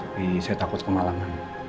tapi saya takut kemalangan